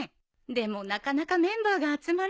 でもなかなかメンバーが集まらなくて。